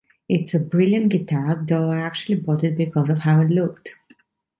It's a brilliant guitar, though I actually bought it because of how it looked.